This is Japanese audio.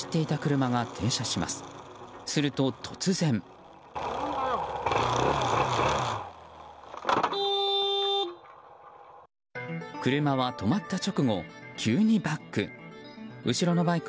車は止まった直後急にバック。